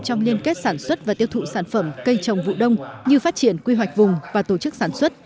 trong liên kết sản xuất và tiêu thụ sản phẩm cây trồng vụ đông như phát triển quy hoạch vùng và tổ chức sản xuất